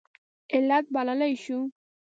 علت بللی شو.